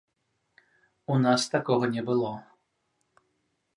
У нас такога не было!